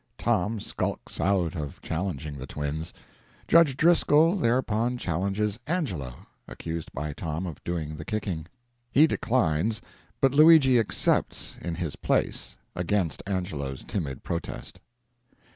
Tom skulks out of challenging the twins. Judge Driscoll thereupon challenges Angelo (accused by Tom of doing the kicking); he declines, but Luigi accepts in his place against Angelo's timid protest.